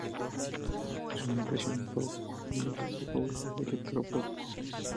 Es una canción pop con elementos de House y Electropop.